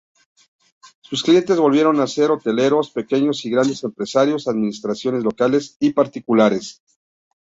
Sus clientes volvieron a ser hoteleros, pequeños y grandes empresarios, administraciones locales y particulares.